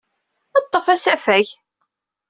Ḍḍef asafag.